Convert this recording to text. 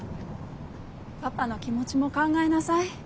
パパの気持ちも考えなさい。